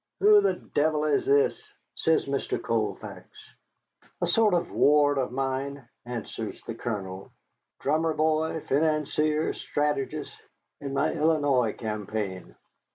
"Who the devil is this?" says Mr. Colfax. "A sort of ward of mine," answers the Colonel. "Drummer boy, financier, strategist, in my Illinois campaign.